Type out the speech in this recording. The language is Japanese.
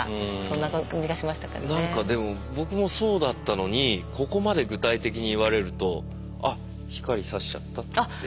なんかでも僕もそうだったのにここまで具体的に言われると「あっ光さしちゃった」っていう。